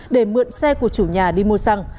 để mượn xe của chủ nhà đi mua xăng